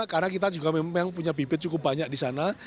karena kita juga memang punya bibit cukup banyak di sana